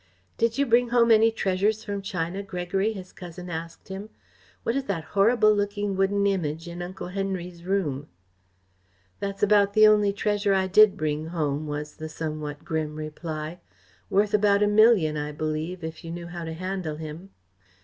"Did you bring home any treasures from China, Gregory?" his cousin asked him. "What is that horrible looking wooden Image in Uncle Henry's room?" "That's about the only treasure I did bring home," was the somewhat grim reply. "Worth about a million, I believe, if you knew how to handle him."